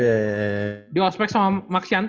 di ospek sama maksianto